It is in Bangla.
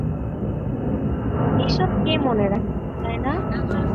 এসব কে মনে রাখে, তাই না?